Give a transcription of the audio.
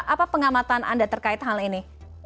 apa pengamatan anda terkait hal ini